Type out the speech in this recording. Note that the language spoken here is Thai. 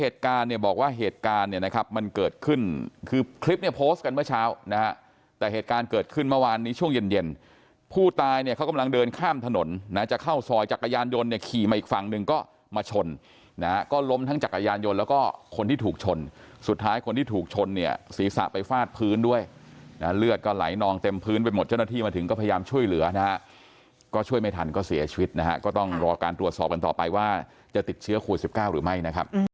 สุดท้ายเนี่ยเขากำลังเดินข้ามถนนนะจะเข้าซอยจักรยานยนต์เนี่ยขี่มาอีกฝั่งหนึ่งก็มาชนนะก็ล้มทั้งจักรยานยนต์แล้วก็คนที่ถูกชนสุดท้ายคนที่ถูกชนเนี่ยศีรษะไปฟาดพื้นด้วยนะเลือดก็ไหลนองเต็มพื้นไปหมดเจ้าหน้าที่มาถึงก็พยายามช่วยเหลือนะก็ช่วยไม่ทันก็เสียชีวิตนะก็ต้องรอการตรวจสอบกัน